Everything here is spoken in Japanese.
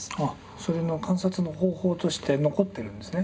その観察の方法として残ってるんですね。